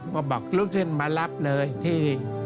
มาบอกลุงขึ้นมารับเลยที่